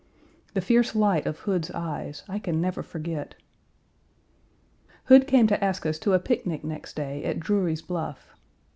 The fierce light of Hood's eyes I can never forget. Hood came to ask us to a picnic next day at Drury's Bluff.